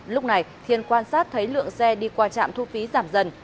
lúc này thiên quan sát thấy lượng xe đi qua trạm thu phí giảm dần